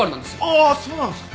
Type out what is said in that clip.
ああっそうなんですか？